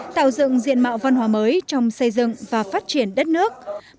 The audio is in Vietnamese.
tạo dựng diện mạo văn hóa mới trong xây dựng và phát triển đất nước